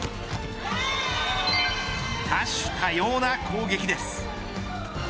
多種多様な攻撃です。